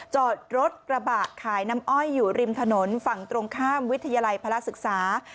จอดรถกระบะขายน้ำอ้อยอยู่ริมถนนฝั่งตรงข้ามวิทยาลัยพระราชศึกษา